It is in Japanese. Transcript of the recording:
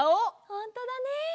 ほんとだね！